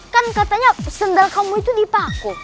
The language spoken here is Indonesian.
kan katanya sendal kamu itu dipaku